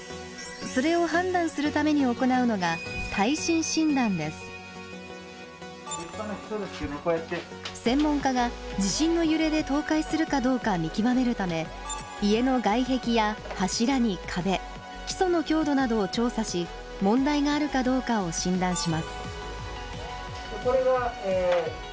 それを判断するために行うのが専門家が地震の揺れで倒壊するかどうか見極めるため家の外壁や柱に壁基礎の強度などを調査し問題があるかどうかを診断します。